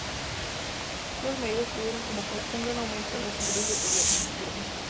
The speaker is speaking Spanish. Estas medidas tuvieron como consecuencia un gran aumento en los ingresos del gobierno.